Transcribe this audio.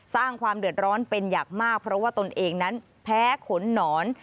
สร้างความเดือดร้อนเป็นอย่างมากเพราะว่าตนเองนั้นแพ้ขนหนอน